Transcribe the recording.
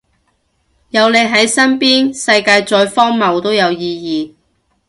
有你喺身邊，世界再荒謬都有意義